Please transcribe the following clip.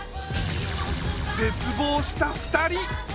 絶望した二人。